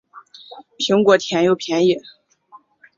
苹果甜又便宜